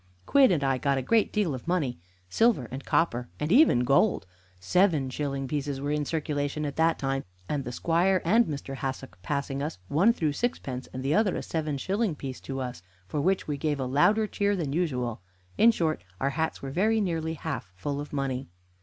Quidd and I got a great deal of money silver, and copper, and even gold. Seven shilling pieces were in circulation at that time, and the squire and Mr. Hassock passing us, one threw sixpence and the other a seven shilling piece to us, for which we gave a louder cheer than usual. In short, our hats were very nearly half full of money.